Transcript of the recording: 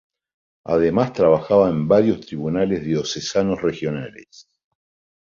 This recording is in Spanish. Además trabajaba en varios tribunales diocesanos regionales.